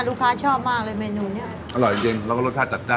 ชอบมากเลยเมนูเนี้ยอร่อยจริงแล้วก็รสชาติจัดจ้าน